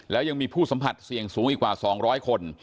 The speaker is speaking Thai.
แล้วยังมีผู้สัมผัสเสี่ยงสูงอีกกว่า๒๐๐คน